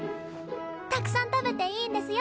たくさん食べていいんですよ。